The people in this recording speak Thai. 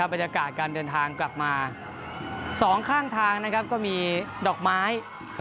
บรรยากาศการเดินทางกลับมา๒ข้างทางก็มีดอกไม้